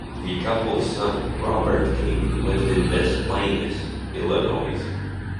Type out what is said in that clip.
The couple's son, Robert King, lived in Des Plaines, Illinois.